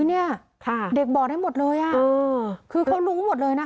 เนี่ยเด็กบอกได้หมดเลยคือเขารู้หมดเลยนะคะ